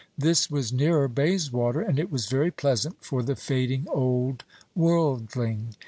This was nearer Bayswater, and it was very pleasant for the fading old worldling.